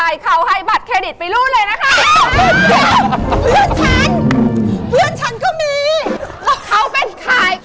อย่าได้พูดถึงเขาเลย